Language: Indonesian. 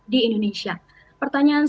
di indonesia pertanyaan